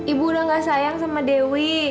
ibu udah gak sayang sama dewi